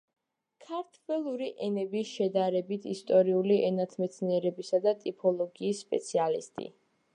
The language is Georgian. ქართველური ენების, შედარებით-ისტორიული ენათმეცნიერებისა და ტიპოლოგიის სპეციალისტი.